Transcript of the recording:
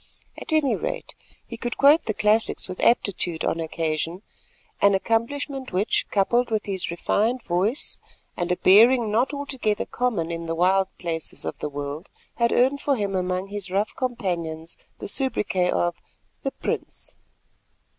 At any rate he could quote the classics with aptitude on occasion, an accomplishment which, coupled with his refined voice and a bearing not altogether common in the wild places of the world, had earned for him among his rough companions the soubriquet of "The Prince."